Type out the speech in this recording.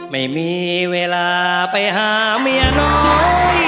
ไม่มีเวลาไปหาเมียน้อย